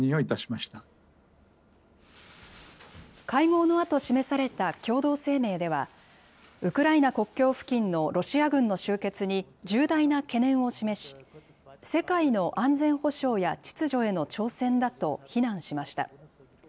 会合のあと、示された共同声明では、ウクライナ国境付近のロシア軍の集結に重大な懸念を示し、世界の安全保障や秩序への挑戦だと非難しました。